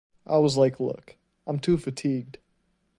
I was, like, look, I am too fatigued.